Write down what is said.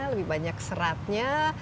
lebih banyak seratnya